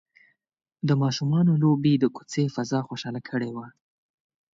د ماشومانو لوبې د کوڅې فضا خوشحاله کړې وه.